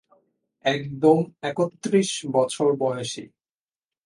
একদম একত্রিশ বছর বয়সী।